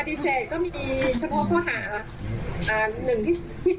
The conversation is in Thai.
ปฏิเสธก็มีเฉพาะข้อหาที่๑และที่๒